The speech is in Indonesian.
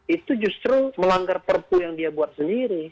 itu justru melanggar perpu yang dia buat sendiri